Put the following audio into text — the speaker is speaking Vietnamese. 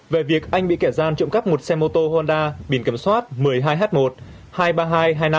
về việc anh bị kẻ gian trộm cắp một xe mô tô honda biển kiểm soát một mươi hai h một hai mươi ba nghìn hai trăm hai mươi năm